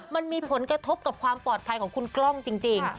มันมีผลกระทบกับความปลอดภัยของคุณกล้องจริง